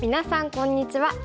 こんにちは。